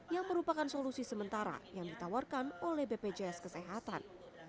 yang merupakan solusi sementara yang ditawarkan oleh bpjs kesehatan